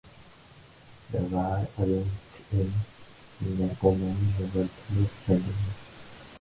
The war against the Marcomanni nevertheless continued.